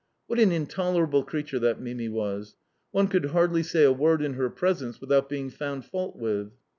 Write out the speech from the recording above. What an intolerable creature that Mimi was! One could hardly say a word in her presence without being found fault with.